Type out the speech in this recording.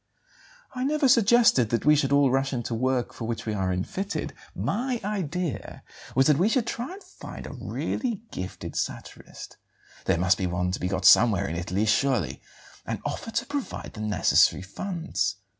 "I never suggested that we should all rush into work for which we are unfitted. My idea was that we should try to find a really gifted satirist there must be one to be got somewhere in Italy, surely and offer to provide the necessary funds.